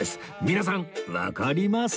皆さんわかります？